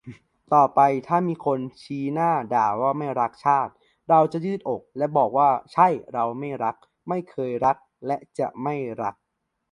ต่อไปถ้ามีคนชี้หน้าด่าว่าไม่รักชาติเราจะยืดอกและบอกว่าใช่เราไม่รัก ไม่เคยรักและจะไม่รัก